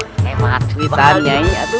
wah hebat witan nyai